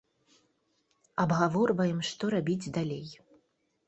Абгаворваем, што рабіць далей.